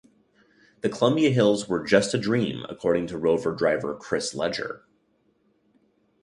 The Columbia Hills were "just a dream", according to rover driver Chris Leger.